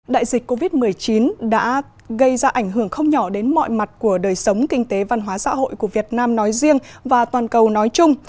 đại dịch covid một mươi chín đã gây ra ảnh hưởng không nhỏ đến mọi mặt của đời sống kinh tế văn hóa xã hội của việt nam nói riêng và toàn cầu nói chung